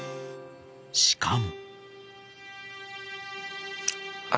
しかも。